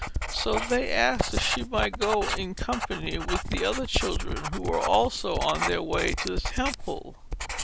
So they asked if she might go in company with the other children who were also on their way to the temple.